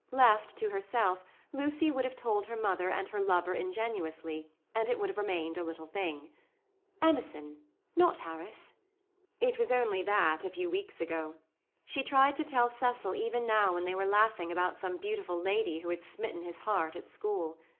Left to herself, Lucy would have told her mother and her lover ingenuously, and it would have remained a little thing. "Emerson, not Harris"; it was only that a few weeks ago. She tried to tell Cecil even now when they were laughing about some beautiful lady who had smitten his heart at school.